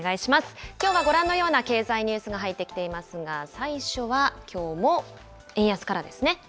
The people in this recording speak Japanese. きょうはご覧のような経済ニュースが入ってきていますが、最初はきょうも円安からですね。